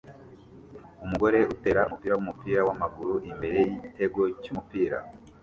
Umugore utera umupira wumupira wamaguru imbere yigitego cyumupira